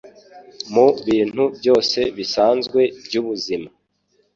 mu bintu byose bisanzwe by'ubuzima.